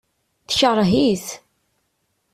Tekreh-it.